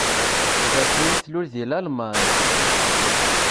Jasmin tlul deg Lalman.